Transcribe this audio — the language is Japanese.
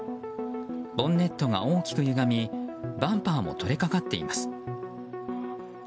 ボンネットが大きくゆがみバンパーも取れかかっています。